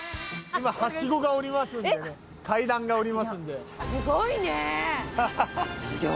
すごいね！